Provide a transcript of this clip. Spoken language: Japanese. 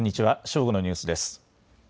正午のニュースです。